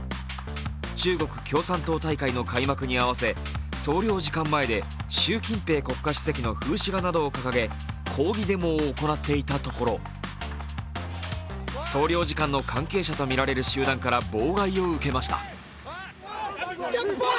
中国共産党大会の開幕に合わせ総領事館前で習近平国家主席の十字架などを掲げ抗議デモを行っていたところ総領事館の関係者とみられる集団から妨害を受けました。